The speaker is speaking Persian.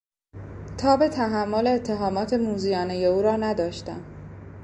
تاب تحمل اتهامات موذیانهی او را نداشتم!